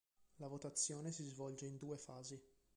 La votazione si svolge in due fasi.